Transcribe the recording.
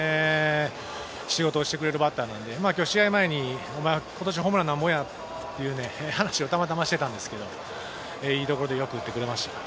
どこに入れても仕事をしてくれるバッターなので今日試合前に今年ホームラン何本や？と話をたまたましていたらいいところでよく打ってくれました。